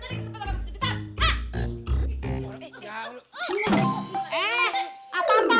itu ada kesempatan bang